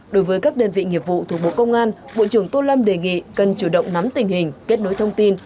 đối với các đơn vị nghiệp vụ thuộc bộ công an bộ trưởng tô lâm đề nghị cần chủ động nắm tình hình kết nối thông tin